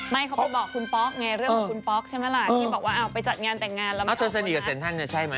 ไม่เขาไปบอกคุณป๊อกไงเรื่องของคุณป๊อกใช่มั้ยล่ะที่บอกว่าอ้าวไปจัดงานแต่งงานแล้วไม่เอาโบนัส